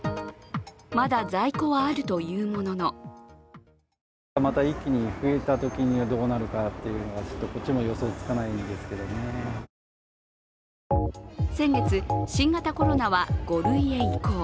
まだ在庫はあるというものの先月、新型コロナは５類へ移行。